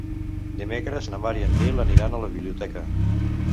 Dimecres na Mar i en Nil aniran a la biblioteca.